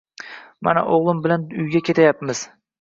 Mana, o`g`lim bilan uyga ketayapmiz